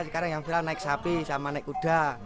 sekarang yang viral naik sapi sama naik kuda